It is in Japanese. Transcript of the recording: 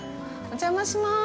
お邪魔します。